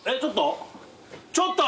ちょっと？